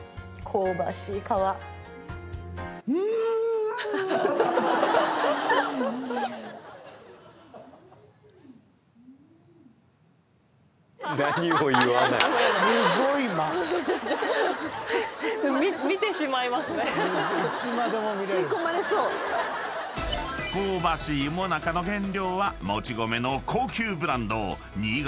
［香ばしい最中の原料は］